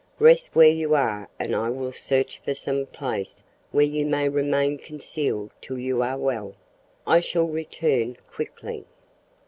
Rest where you are and I will search for some place where you may remain concealed till you are well. I shall return quickly."